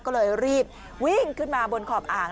ก็เลยรีบวิ่งขึ้นมาบนขอบอ่าง